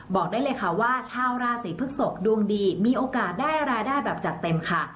บอกได้เลยค่ะว่าชาวราศีพฤกษกดวงดีมีโอกาสได้รายได้แบบจัดเต็มค่ะ